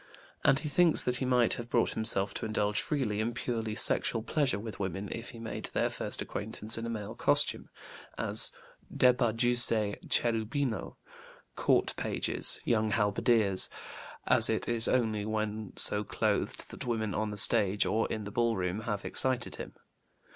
And he thinks that he might have brought himself to indulge freely in purely sexual pleasure with women if he made their first acquaintance in a male costume, as débardeuses, Cherubino, court pages, young halberdiers, as it is only when so clothed that women on the stage or in the ball room have excited him.